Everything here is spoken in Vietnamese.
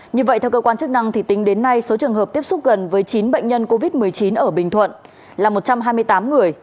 như vậy theo cơ quan chức năng tính đến nay số trường hợp tiếp xúc gần với chín bệnh nhân covid một mươi chín ở bình thuận là một trăm hai mươi tám người